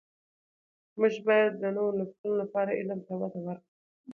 موږ باید د نوو نسلونو لپاره علم ته وده ورکړو.